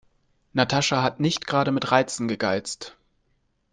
Natascha hat nicht gerade mit Reizen gegeizt.